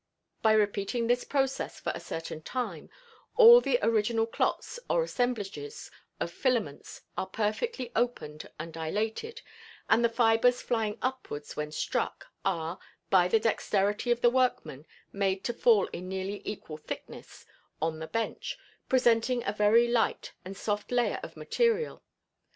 By repeating this process for a certain time, all the original clots or assemblages of filaments are perfectly opened and dilated, and the fibers, flying upwards when struck, are, by the dexterity of the workman, made to fall in nearly equal thickness on the bench, presenting a very light and soft layer of material.